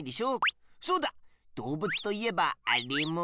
そうだどうぶつといえばあれも？